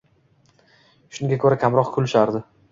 Shunga ko‘ra kamroq kulishardi.